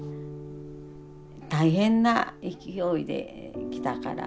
大変な勢いで来たから。